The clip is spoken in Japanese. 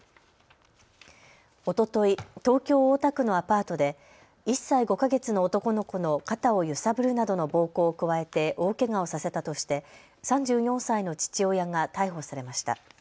おととい、東京大田区のアパートで１歳５か月の男の子の肩を揺さぶるなどの暴行を加えて大けがをさせたとして３４歳の父親が逮捕されました。